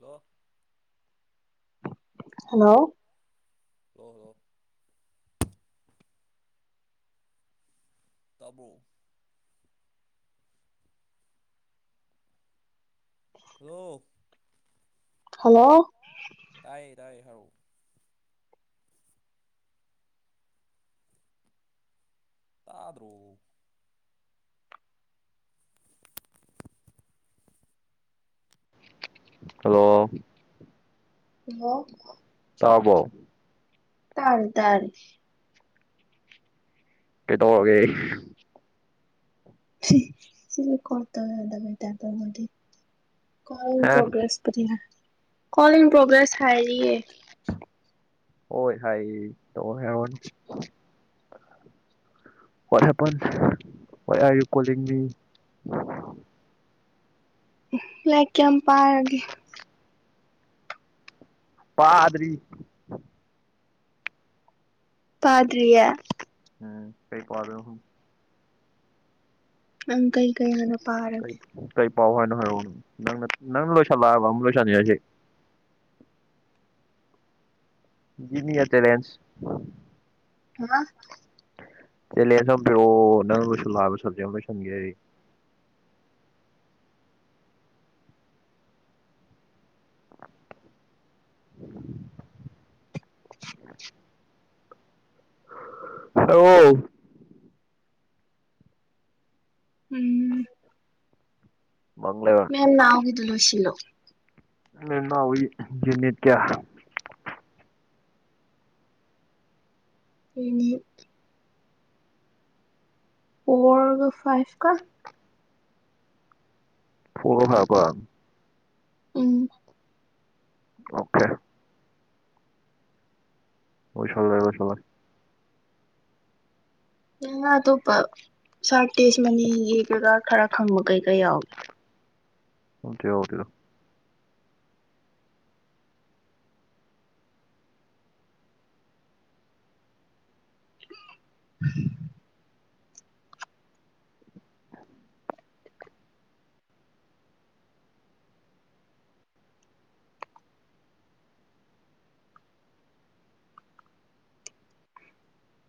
hello hello hello hello ꯇꯕꯣ hello hello ꯇꯥꯏꯌꯦ ꯇꯥꯏꯌꯦ ꯍꯥꯎ ꯇꯥꯗ꯭ꯔꯣ ꯍꯜꯂꯣ ꯍꯜꯂꯣ ꯇꯕꯣ ꯇꯔ ꯇꯥꯔ ꯀꯩꯗꯧꯔꯒꯦ ꯑꯩ ꯁꯤꯁꯨ ꯀꯣꯔ ꯇꯗꯕ ꯇꯄ ꯃꯗꯤ ꯀ ꯄ꯭ꯔꯣꯒ꯭ꯔꯦꯁ ꯀꯣ ꯏ ꯄ꯭ꯔꯣꯒ꯭ꯔꯦꯁ ꯍꯥꯏꯔꯤ ꯍꯣꯏ ꯍꯥꯏ ꯇ ꯍꯥꯏꯦꯔꯣꯅꯤ ꯋꯥ ꯀꯣ ꯃꯤ ꯂꯥꯏꯛ ꯀꯌꯥꯝ ꯄꯥꯔꯒꯦ ꯄꯥꯗ꯭ꯔꯤ ꯄꯥꯗ꯭ꯌꯥ ꯎꯝ ꯀꯩ ꯀ ꯑꯪ ꯀꯩ ꯀꯌꯥꯅ ꯀ ꯀꯩ ꯄꯥꯎ ꯍꯥꯏꯅꯣ ꯍꯥꯏꯔꯛꯎꯅ ꯅꯪꯅ ꯅꯪꯅ ꯂꯣꯏꯁꯤꯜꯂꯛꯑꯕ ꯑꯃꯨꯛ ꯂꯣꯏꯁꯤꯟꯅꯤꯡꯁꯦ ꯖꯤꯃꯤ ꯔꯦꯟꯁ ꯍꯥ ꯆꯂꯦꯁꯕꯤꯑꯣ ꯅꯪꯕꯨꯁꯨꯂꯥꯛꯑꯕ ꯁꯖ ꯂꯣꯏꯁꯟꯒꯦ [unintelligible] ꯎ ꯍ ꯎꯝ ꯃꯪ ꯂꯩꯕ ꯃꯦꯝ ꯅꯥꯎꯒꯤꯗꯨ ꯂꯣꯏꯁꯤꯜꯂꯣ ꯃꯦꯝ ꯅꯥꯎꯒꯤ ꯌꯨꯅꯤꯠ ꯀ꯭ꯌꯥ ꯑꯅꯤ ꯐꯣꯔꯒ ꯐꯥꯏꯚ ꯀ ꯐꫭꯔꯒ ꯐꯥꯏꯐꯀ ꯎꯝ ꯑꯣꯀꯦ ꯑꯣꯏꯁꯜꯂꯦ ꯂꫭꯏꯁꯜꯂꯦ ꯅꯪꯅ ꯑꯇꯣꯞꯄ ꯁꯥꯔ ꯇꯦꯖ ꯃꯅꯤ ꯒꯤꯀꯩꯀꯥ ꯈꯔ ꯈꯪꯕ ꯀꯩ ꯀꯩ ꯌꯥꯎꯒꯦ ꯑꯣꯠꯇꯦ ꯑꯣꯇꯦꯗ [unintelligible]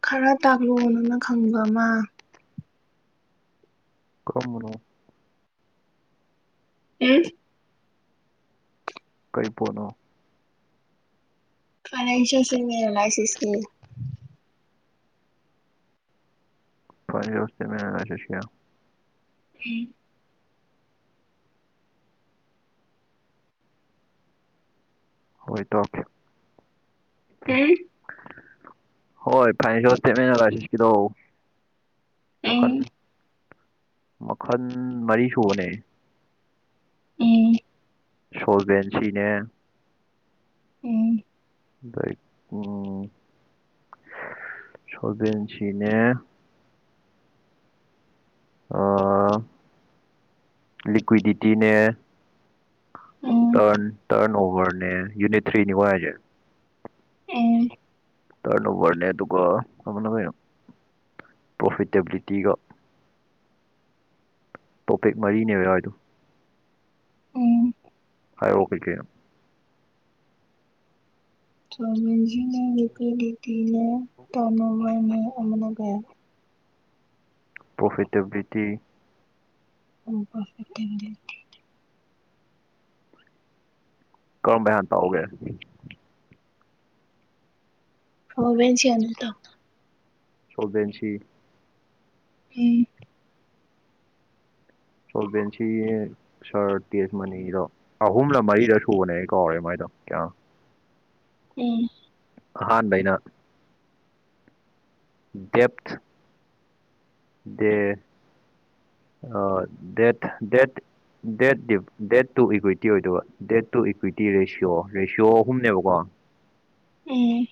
ꯈꯔ ꯇꯥꯛꯂꯣꯅꯪꯅ ꯈꯪꯕ ꯑꯃ ꯀꯔꯝꯕꯅꫭ ꯎꯝ ꯀꯔꯤ ꯄꫭꯠꯅꯣ ꯐꯥꯏꯅꯦꯟꯁꯜꯁꯤꯛꯅꯦ ꯑꯦꯟꯂꯥꯏꯁꯤꯁꯀꯤ ꯄ ꯔꯣꯁꯇ ꯃ ꯆꯁꯤꯌꯥ [unintelligible] ꯎꯝ ꯍꯣꯏ ꯇꯧꯔꯛꯀꯦ ꯎꯝ ꯍꯣꯏ ꯐꯥꯏꯅꯦꯖꫭꯖꯁ꯭ꯇꯦꯠꯑꯦꯟꯂꯥꯏꯁꯤꯁ ꯀꯤꯗꯣ ꯃꯈꯟ ꯎꯝ ꯃꯈꯟ ꯃꯔꯤ ꯁꯨꯕꯅꯦ ꯎꯝ ꯁꯣꯜꯕꯦꯟꯁꯤꯅꯦ ꯎ ꯎꯝ ꯁꯕꯦꯟꯁꯤꯅꯦ ꯑ ꯂꯤꯀ꯭ꯋꯤꯗꯤꯇꯤꯅꯦ ꯇꯟ ꯇꯔꯟ ꯑꯣꯚꯔꯅꯦ ꯌꯨꯅꯤꯠ ꯊ꯭ꯔꯤ ꯅꯤꯀꫭ ꯑꯩꯍꯥꯏꯖꯦ ꯎꯝ ꯇꯔꯟ ꯑꯣꯕꯔꯅꯦ ꯑꯗꯨꯒ ꯑꯃꯅ ꯀꯩꯅꯣ ꯄ꯭ꯔꯣꯐꯤꯇꯦꯕꯤꯂꯤꯇꯤꯒ ꯇꯣꯄꯤꯛ ꯃꯔꯤꯅꯦꯕ ꯌꯥꯎꯏꯗꫭ ꯎ ꯍꯥꯏꯔꯛꯑꯣ ꯀꯩ ꯀꯩꯅꫭ ꯁꫭꯜꯕꯦꯟꯖꯤꯅꯦ ꯂꯤꯀ꯭ꯋꯤꯗꯤꯇꯤꯅꯦ ꯇꯔꯟꯑꯣꯕꯔꯅꯦ ꯑꯃꯅ ꯀꯌꯥ ꯄ꯭ꯔꯣꯐꯤꯇꯦꯕꯤꯂꯤꯇꯤ ꯑꯣꯔꯐꯦ [unintelligible] ꯀꯝꯕꯩ ꯍꯥꯟ ꯇꯥꯛꯎꯒꯦ ꯐꫭꯜꯕꯦꯟꯁꯤ ꯍꯥꯟꯅ ꯇꯥꯎ ꯁꫭꯜꯕꯦꯟꯁꯤ ꯎꯝ ꯁꫭꯜꯕꯦꯟꯁꯤ ꯁꯥꯔ ꯇꯦꯖ ꯃꯅꯤꯒꯤꯗꯣ ꯑꯍꯨꯝꯂ ꯃꯔꯤꯂ ꯁꯨꯕꯅꯦ ꯑꯩ ꯀꯧꯔꯦ ꯃꯥꯏꯗꯣ ꯀꯌꯥꯅꫭ ꯎꯝ ꯑꯍꯥꯟꯕꯩꯅ ꯗꯦꯞꯊ ꯗꯦ ꯑ debt debt debt the debt to equity ꯑꯣꯏꯗꯧꯕ debt to equity ratio ratio ꯑꯍꯨꯝꯅꯦꯕꯀꯣ um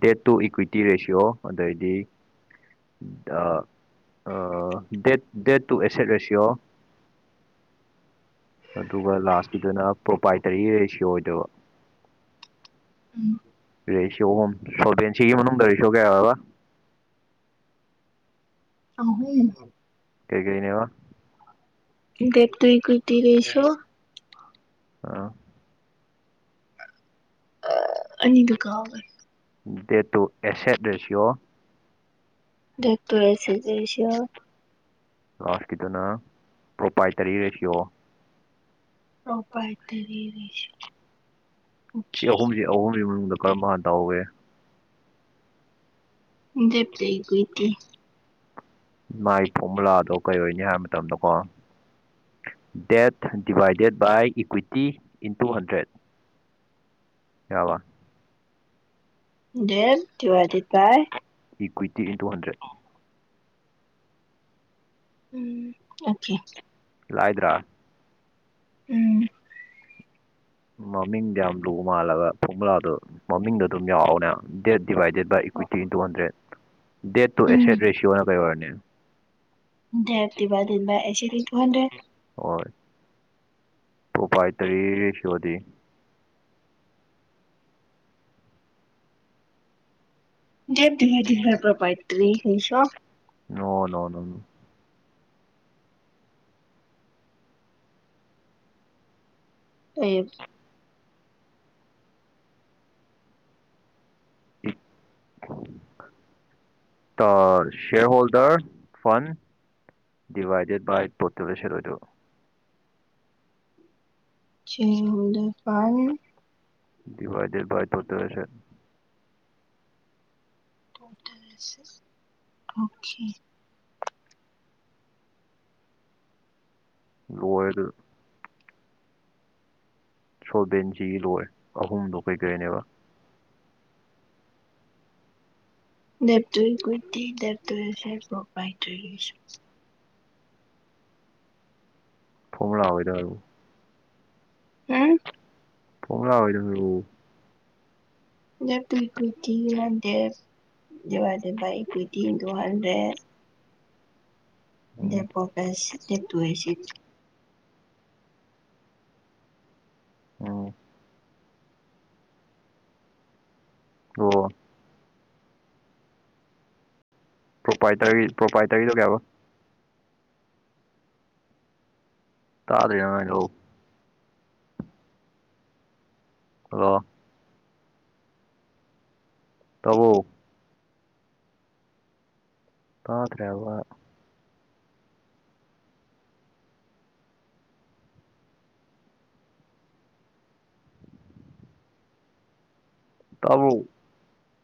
debt to equity ratio ꯑꯗꯩꯗꯤ ꯑ debt debt to asset ratio ꯑꯗꯨꯒ ꯂꯥꯁꯀꯤꯗꯅ ꯄ꯭ꯔꯣꯄꯥꯏꯇꯔꯤ ꯔꯦꯁꯤꯌꯣ ꯑꯣꯏꯗꯧꯕ ꯎꯝ ꯔꯦꯁꯤꯌꯥꯑꯣ ꯑꯍꯨꯝ ꯁꯣꯇꯦꯟꯁꯤꯒꯤ ꯃꯅꯨꯡꯗ ꯔꯦꯁꯤꯌꯣ ꯀꯌꯥ ꯑꯣꯏꯔꯕ ꯑꯍꯨꯝ ꯀꯩ ꯀꯩꯅꯦꯕ ꯑꯥ ꯑꯩꯗꯤꯗꯨ ꯀꯥꯎꯒꯔꯦ debt to asset ratio debt to asset ratio ꯂꯥꯁꯀꯤꯗꯨꯅ ꯄ꯭ꯔꯣꯄꯥꯏ ꯇꯔꯤ ꯔꯦꯁꯤꯌꯣ ꯄ꯭ꯔꯣꯄꯥꯏ ꯇꯔꯤ ꯔꯦꯁꯤꯌꯣ ꯎꯝ ꯁꯤ ꯑꯍꯨꯝꯁꯤ ꯑꯍꯨꯝꯁꯤꯒꯤ ꯃꯅꯨꯡꯗ ꯀꯔꯝꯝꯕ ꯍꯥꯟ ꯇꯧꯍꯧꯒꯦ [unintelligible] ꯃꯥꯏ ꯐꯣꯃꯨꯂꯥꯗꯣ ꯀꯩꯑꯣꯏꯅꯤ ꯍꯥꯏꯕ ꯃꯇꯝꯗꯀꯣ debt divided by equity into hundred ꯌꯥꯔꯕ꯭ꯔꯥ debt divided by equity into hundred um okay ꯂꯥꯏꯗ꯭ꯔꯥ ꯎꯝ ꯃꯃꯤꯡꯗꯤ ꯌꯥꯝ ꯂꯨꯕꯥ ꯃꯥꯜꯂꯒ ꯐꯣꯃꯨꯂꯥꯗꯣ ꯃꯃꯤꯡꯗꯣ ꯑꯗꯨꯝ ꯌꯥꯎꯕꯅꯦꯕ debt divided by equity into hundred debt to asset ꯔꯦꯁꯤꯌꯣꯔꯅ ꯀꯩ ꯑꯣꯏꯔꯅꯤ debt divided by asset into hundred ꯍꯣꯏ ꯄ꯭ꯔꯣꯄꯥꯏꯇꯔꯤ ꯔꯦꯁꯤꯌꯣꯗꯤ debt divided by proprietary ratio no no no no A [inaudible] the shareholder fund divided by total asset ꯑꯣꯏꯗ‌ꯣꯏꯕ [unintelligible] divided by total asset total asset okay ꯂꯣꯏꯔꯦ ꯑꯗꯨꯗ ꯁꯣꯜꯕꯦꯟꯁꯤ ꯂꯣꯏ ꯑꯍꯨꯝꯗꯣ ꯀꯩꯀꯩꯅꯦꯕ [unintelligible] formula ꯃꯩꯗ‌ꯣ ꯍꯥꯔꯣ ꯍꯨꯝ formula ꯒꯩꯗꯣ ꯍꯥꯏꯔꯣ debt to equity divided divided by equity into hundred ꯎꯝ [unintelligible] ꯎꯝ ꯑꯣ proprietor ꯄ꯭ꯔꯣꯄꯥꯏꯇꯔꯤꯗꯣ ꯀꯩꯍꯥꯏꯕ ꯇꯥꯗ‌ꯦ ꯅꯪ ꯍꯥꯏꯗ‌ꯣ ꯍꯜꯂꯣ ꯇꯥꯕꯣ ꯇꯥꯗ꯭ꯔꯦ ꯍꯥꯏꯕ ꯇꯥꯕ꯭ꯔꯣ